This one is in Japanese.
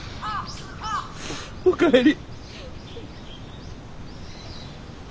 お帰り。